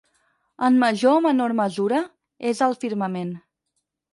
En major o menor mesura, és al firmament.